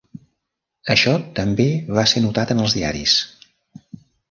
Això també va ser notat en els diaris.